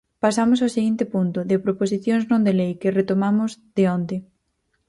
Pasamos ao seguinte punto, de proposicións non de lei, que retomamos de onte.